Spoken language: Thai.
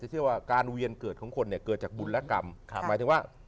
เชื่อว่าการเวียนเกิดของคนเนี่ยเกิดจากบุญและกรรมหมายถึงว่า